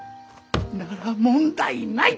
なら問題ない！